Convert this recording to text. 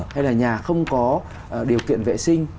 hay là nhà không có điều kiện vệ sinh